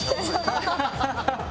ハハハハ！